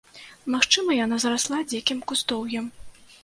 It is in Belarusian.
Магчыма, яна зарасла дзікім кустоўем.